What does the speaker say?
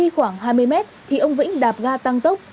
khoảng hai mươi mét thì ông vĩnh đạp ga tăng tốc